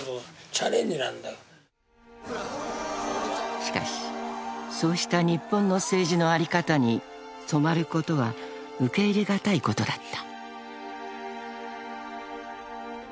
［しかしそうした日本の政治の在り方に染まることは受け入れ難いことだった］